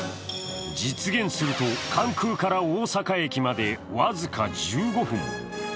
実現すると、関空から大阪駅まで僅か１５分。